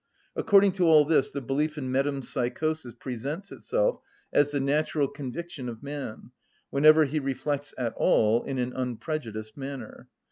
According to all this, the belief in metempsychosis presents itself as the natural conviction of man, whenever he reflects at all in an unprejudiced manner.